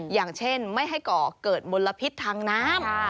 อย่างเช่นไม่ให้ก่อเกิดมลพิษทางน้ำ